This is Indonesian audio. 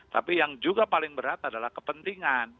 tapi yang juga paling berat adalah kepentingan